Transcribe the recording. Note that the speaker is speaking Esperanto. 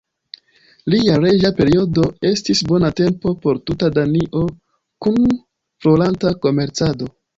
Lia reĝa periodo estis bona tempo por tuta Danio kun floranta komercado.